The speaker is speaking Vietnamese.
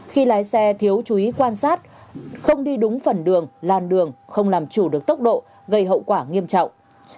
khi lái xe thiếu chú ý quan sát không đi đúng phần đường làn đường không làm chủ được tốc độ gây hậu quả nghiêm trọng